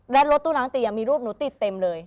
และรถตู้ล้างเตียงมีรูปหนูติดเต็มเลย